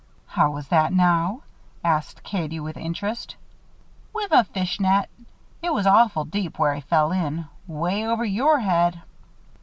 "How was that, now?" asked Katie, with interest. "Wiv a fish net. It was awful deep where he fell in way over your head."